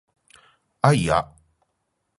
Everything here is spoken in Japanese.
あいあ